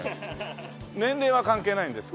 年齢は関係ないんですか？